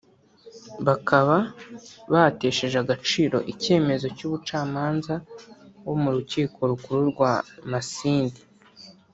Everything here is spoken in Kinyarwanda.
bakaba batesheje agaciro icyemezo cy’umucamanza wo mu Rukiko Rukuru rwa Masindi